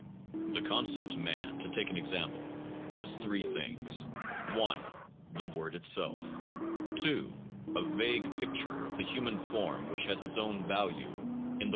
The concept man/ to take an example, is three things: 1, the word itself; 2, a vague picture of the human form which has The con tent and its own value in the.